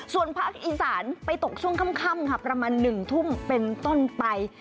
ส่วนภาคอีสานไปตกช่วงค่ำค่ะประมาณ๑ทุ่มเป็นต้นไป